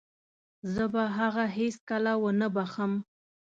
زه به هغه هيڅکله ونه وبښم.